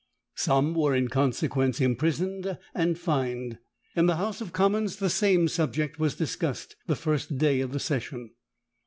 Some were in consequence imprisoned and fined. In the House of Commons the same subject was discussed the first day of the session.